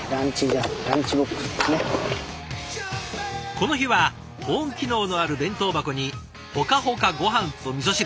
この日は保温機能のある弁当箱にホカホカごはんとみそ汁。